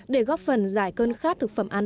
để góp phần giải cân khát thực phẩm ăn